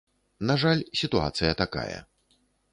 На жаль, сітуацыя такая.